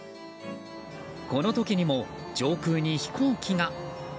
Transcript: この時にも、上空に飛行機が。